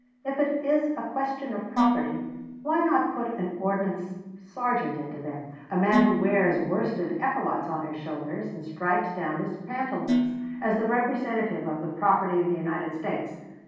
If it is a question of property, why not put an ordnance sergeant into them a man who wears worsted epaulets on his shoulders and stripes down his pantaloons as the representative of the property of the United States.